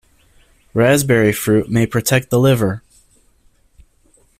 Raspberry fruit may protect the liver.